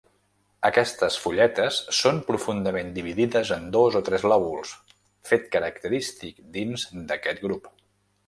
Aquestes fulletes són profundament dividides en dos o tres lòbuls, fet característic dins aquest grup.